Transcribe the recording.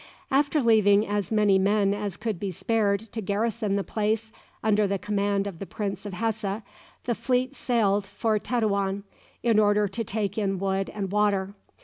After leaving as many men as could be spared to garrison the place, under the command of the Prince of Hesse, the fleet sailed for Tetuan, in order to take in wood and water.